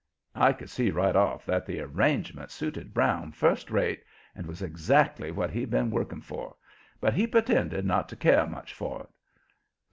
I could see right off that the arrangement suited Brown first rate and was exactly what he'd been working for, but he pretended not to care much for it.